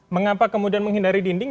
mengapa kemudian menghindari dinding